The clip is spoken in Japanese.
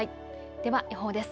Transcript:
では予報です。